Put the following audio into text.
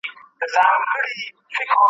ښوونځیو بندېدل او له ټولني څخه د ښځینه قشر